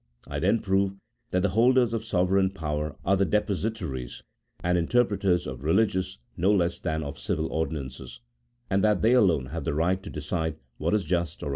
I then prove, that the holders of sovereign power are the depositaries and interpreters of religious no less than of civil ordinances, and that they alone have the right to decide what is just or THE PREFACE.